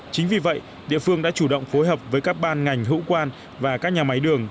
chính vì vậy địa phương đã chủ động phối hợp với các ban ngành hữu quan và các nhà máy đường